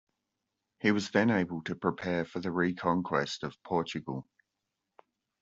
He was then able to prepare for the reconquest of Portugal.